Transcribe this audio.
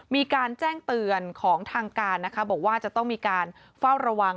มีการแจ้งเตือนของทางการนะคะบอกว่าจะต้องมีการเฝ้าระวัง